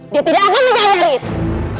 dia tidak akan mencari itu